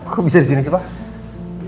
kok bisa disini sih pak